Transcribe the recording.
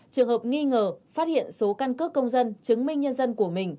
trường hợp nghi ngờ phát hiện số căn cước công dân chứng minh nhân dân của mình